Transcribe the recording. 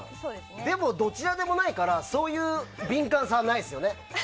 でも、どちらでもないからそういう敏感さはないですよね。